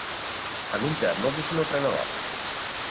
All'interno vi sono tre navate.